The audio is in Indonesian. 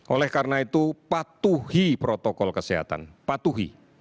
oleh karena itu patuhi protokol kesehatan patuhi